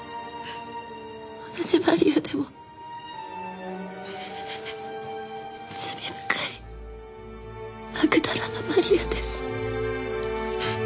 同じマリアでも罪深いマグダラのマリアです。